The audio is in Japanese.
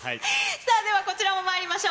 さあ、ではこちらもまいりましょう。